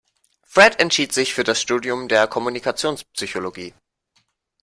Fred entschied sich für das Studium der Kommunikationspsychologie.